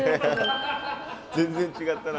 全然違ったな。